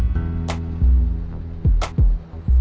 ya pak juna